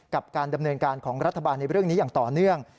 กับการดำเนินการของรัฐบาลในเรื่องนี้อย่างต่อเนื่อง